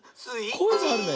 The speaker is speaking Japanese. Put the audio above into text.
こういうのあるね。